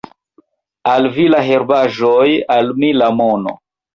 Al vi la herbaĵoj, al mi la mono.